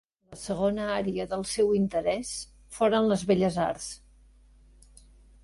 La segona àrea del seu interès foren les belles arts.